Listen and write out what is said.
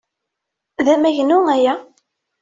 D amagnu aya?